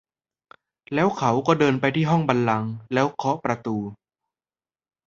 แล้วเขาก็เดินไปที่ห้องบัลลังก์แล้วเคาะประตู